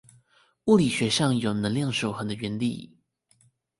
物理學上有能量守恆的原理